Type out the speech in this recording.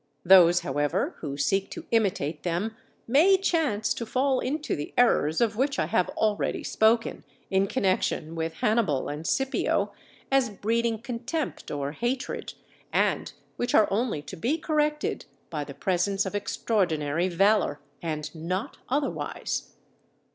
Those, however, who seek to imitate them may chance to fall into the errors of which I have already spoken, in connection with Hannibal and Scipio, as breeding contempt or hatred, and which are only to be corrected by the presence of extraordinary valour, and not otherwise.